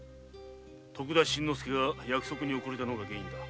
徳田新之助が約束に遅れたのが原因だ。